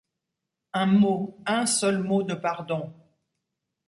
Un mot ! un seul mot de pardon !